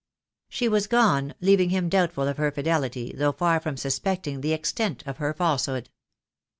She was gone, leaving him doubtful of her fidelity, though far from suspecting the extent of her falsehood.